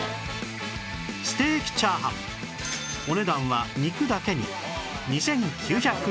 ステーキチャーハンお値段は肉だけに２９００円